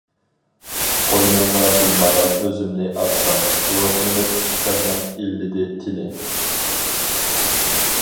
قوينۇڭغا بىمالال ئۆزۈمنى ئاتسام، روھلىنىپ پېقىرنىڭ ئىللىدى تېنى.